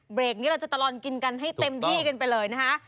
นี้เราจะตลอดกินกันให้เต็มที่กันไปเลยนะคะ